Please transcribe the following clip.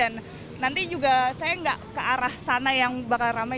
nanti juga saya nggak ke arah sana yang bakal ramai